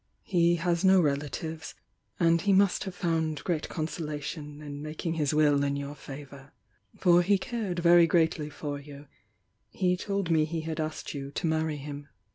He has no relatives,— and he must have found great consolation in making his will in your favour. For he cared very greatly for you, he told me he had asked you to marry him."